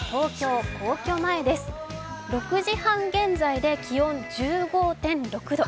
６時半現在で気温１５．６度。